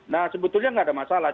nah sebetulnya nggak ada masalah